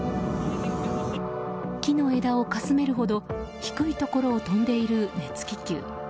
木の枝をかすめるほど低いところを飛んでいる熱気球。